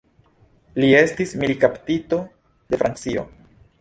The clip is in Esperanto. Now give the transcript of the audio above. Li estis militkaptito en Francio.